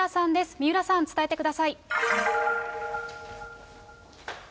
三浦さん、伝えてください。